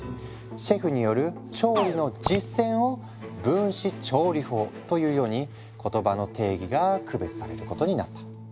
シェフによる調理の実践を「分子調理法」というように言葉の定義が区別されることになった。